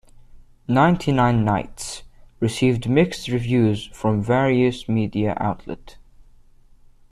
"Ninety-Nine Nights" received mixed reviews from various media outlets.